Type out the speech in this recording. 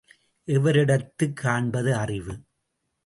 எவரிடத்துக் காண்பது அறிவு?